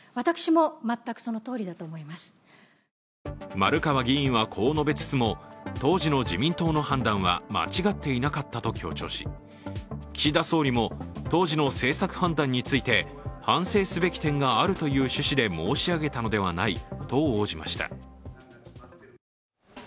丸川議員はこう述べつつも、当時の自民党の判断は間違っていなかったと強調し岸田総理も当時の政策判断について、反省すべき点があるという趣旨で申し上げたのではないと応じました。